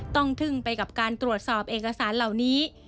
ทึ่งไปกับการตรวจสอบเอกสารเหล่านี้